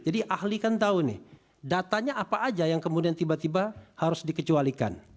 jadi ahli kan tahu nih datanya apa aja yang kemudian tiba tiba harus dikecualikan